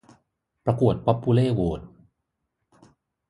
ประกวดป๊อบปูเล่โหวต